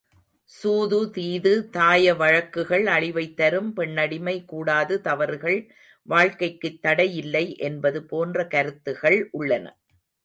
சூது தீது தாயவழக்குகள் அழிவைத்தரும் பெண்ணடிமை கூடாது தவறுகள் வாழ்க்கைக்குத் தடை இல்லை என்பது போன்ற கருத்துகள் உள்ளன.